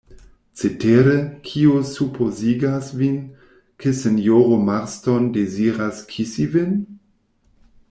Cetere, kio supozigas vin, ke sinjoro Marston deziras kisi vin?